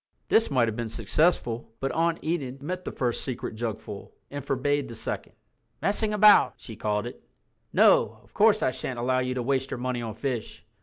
This might have been successful, but Aunt Enid met the first secret jugful—and forbade the second. "Messing about," she called it. "No, of course I shan't allow you to waste your money on fish."